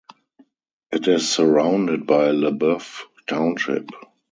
It is surrounded by LeBoeuf Township.